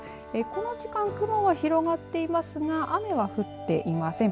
この時間雲が広がっていますが雨は降っていません。